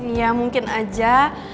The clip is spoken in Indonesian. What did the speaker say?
ya mungkin aja